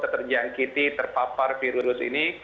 terjangkiti terpapar virus ini